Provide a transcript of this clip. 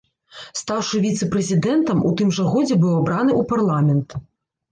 Стаўшы віцэ-прэзідэнтам, у тым жа годзе быў абраны ў парламент.